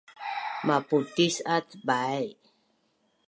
maputisat Bai